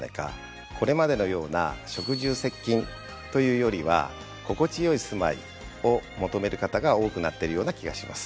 これまでのような職住接近というよりは心地よい住まいを求める方が多くなってるような気がします。